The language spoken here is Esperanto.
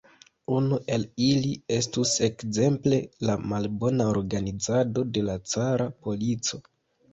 Unu el ili estus ekzemple la malbona organizado de la cara polico.